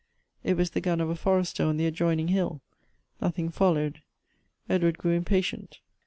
It was the gun of a forester on the adjoining hill. Nothing followed. Ed ward grew impatient.